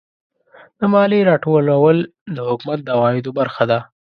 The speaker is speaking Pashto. د مالیې راټولول د حکومت د عوایدو برخه ده.